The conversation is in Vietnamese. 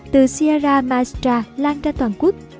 từ sierra maestra lan ra toàn quốc